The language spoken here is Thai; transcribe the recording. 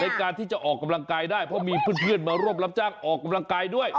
ในการที่จะออกกำลังกายได้เพราะมีเพื่อนมาร่วมรับจ้างออกกำลังกายด้วย